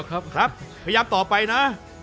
ก็พยายามต่อไปนะ